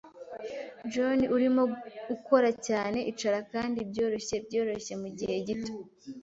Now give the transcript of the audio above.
John, urimo ukora cyane. Icara kandi byoroshye byoroshye mugihe gito.